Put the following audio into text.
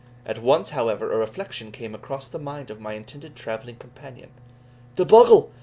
At once, however, a reflection came across the mind of my intended travelling companion. "The bogle!